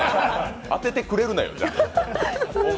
当ててくれるなよ。